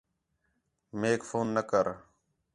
میک فون نہ کر